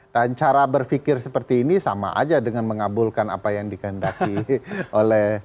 dan cara berpikir seperti ini sama saja dengan mengabulkan apa yang dikandalkan oleh